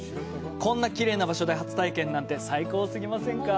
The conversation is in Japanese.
こんなきれいな場所で初体験なんて最高すぎませんか！